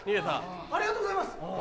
ありがとうございます。